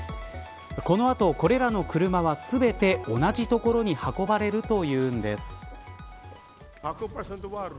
この後、これらの車は全て同じ所に運ばれるというんです。